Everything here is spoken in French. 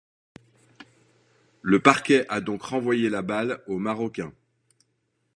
Le parquet a donc renvoyé la balle aux Marocains.